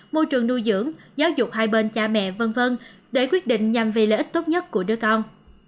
môi trường nuôi dưỡng giáo dục hai bên cha mẹ v v để quyết định nhằm vì lợi ích tốt nhất của đứa con